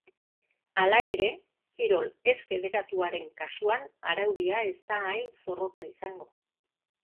Hala ere, kirol ez-federatuaren kasuan araudia ez da hain zorrotza izango.